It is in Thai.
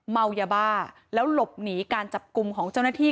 เมายาบ้าแล้วหลบหนีการจับกลุ่มของเจ้าหน้าที่